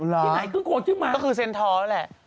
ที่ไหนครึ่งโกครึ่งม้าคือเซนท้อล่ะแหละ